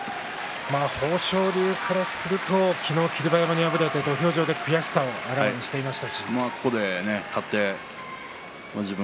豊昇龍からすると昨日、霧馬山に敗れて土俵上で悔しさをあらわしていました。